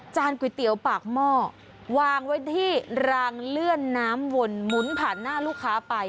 ก๋วยเตี๋ยวปากหม้อวางไว้ที่รางเลื่อนน้ำวนหมุนผ่านหน้าลูกค้าไป